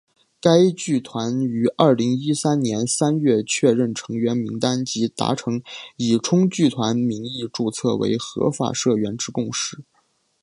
该剧团于二零一三年三月确认成员名单及达成以冲剧团名义注册为合法社团之共识。